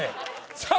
さあ